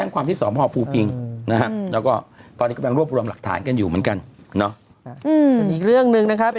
ก็ไม่ได้บอกว่าได้เท่าไร